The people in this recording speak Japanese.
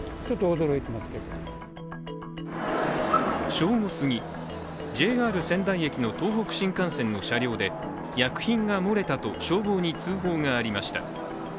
正午すぎ、ＪＲ仙台駅の東北新幹線の車両で薬品が漏れたと消防に通報がありました。